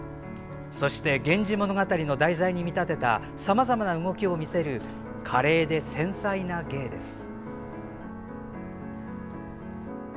そして「源氏物語」の題材に見立てたさまざまな動きを見せる華麗で繊細な芸です。